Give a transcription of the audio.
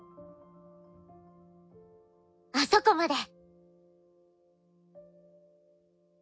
あそこまで。